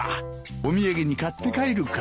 お土産に買って帰るか。